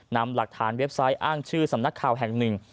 นำหลักฐานเว็บไซต์อ้างชื่อสำนักข่าวแห่งหนึ่ง